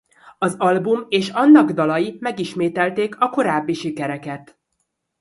Az album és annak dalai megismételték a korábbi sikereket.